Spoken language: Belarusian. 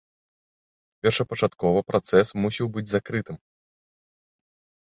Першапачаткова працэс мусіў быць закрытым.